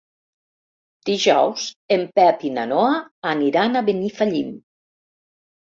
Dijous en Pep i na Noa aniran a Benifallim.